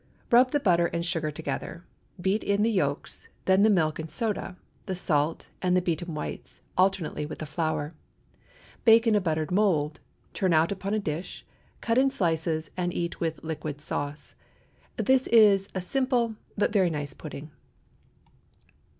Rub the butter and sugar together, beat in the yolks, then the milk and soda, the salt, and the beaten whites, alternately with the flour. Bake in a buttered mould; turn out upon a dish; cut in slices, and eat with liquid sauce. This is a simple but very nice pudding.